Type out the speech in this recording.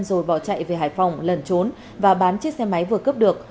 rồi bỏ chạy về hải phòng lần trốn và bán chiếc xe máy vừa cướp được